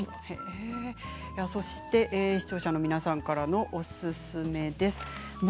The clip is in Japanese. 視聴者の皆さんからのおすすめです。